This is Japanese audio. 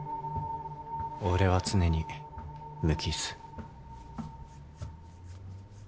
俺は常に無傷